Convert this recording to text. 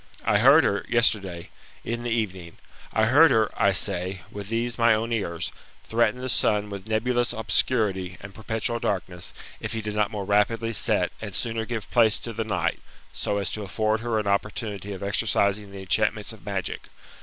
I heard her yesterday, in the evening, I heard her, I say, with these my own ears, threaten the sun with nebulous obscurity, and perpetual darkness, if he did not more rapidly set, and sooner give place to the night, so as to afford her an opportunity . of exercising' the enchantments of magic.